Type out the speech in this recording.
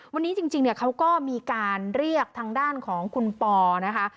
วันนี้จริงเนี่ยเขาก็มีการเรียกทางด้านของคุณปอนะคะ